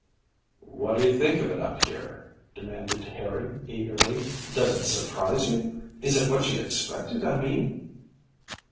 "What do you think of it up here?" demanded Harry eagerly. "Does it surprise you? Is it what you expected I mean?"